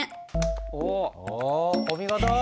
おお見事。